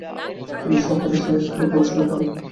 তিনি শহরের সেরা স্কুলে পড়াশোনা করেন।